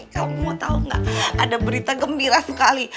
kamu tau gak ada berita gembira sekali